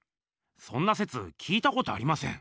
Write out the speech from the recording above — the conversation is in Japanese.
そんなせつ聞いたことありません。